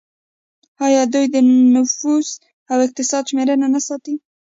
آیا دوی د نفوس او اقتصاد شمیرې نه ساتي؟